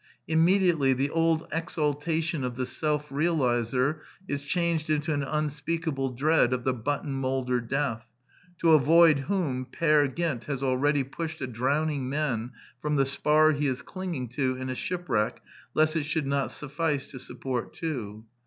Immediately the old exaltation of the self realizer is changed into an unspeakable dread of the button moulder Death, to avoid whom Peer Gynt has already pushed a drowning man from the spar he is cling ing to in a shipwreck lest it should not suffice to support two.